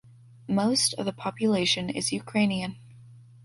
Most of the population is Ukrainian.